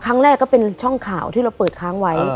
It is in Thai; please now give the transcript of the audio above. ครั้งแรกก็เป็นช่องข่าวที่เราเปิดค้างไว้